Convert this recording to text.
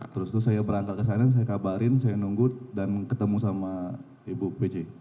terus terus saya berangkat ke sana saya kabarin saya nunggu dan ketemu sama ibu pc